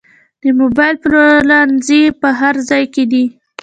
د موبایل پلورنځي په هر ځای کې دي